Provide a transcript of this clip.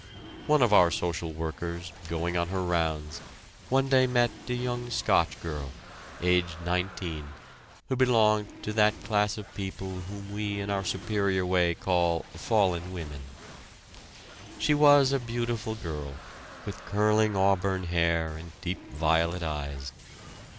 One of our social workers, going on her rounds, one day met a young Scotch girl, aged nineteen, who belonged to that class of people whom we in our superior way call "fallen women." She was a beautiful girl, with curling auburn hair and deep violet eyes.